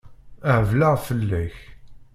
Hebleɣ fell-ak.